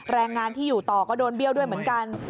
แรงงานที่อยู่ต่อก็โดนเบี้ยวด้วยเหมือนกัน